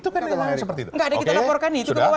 gak ada yang kita laporkan itu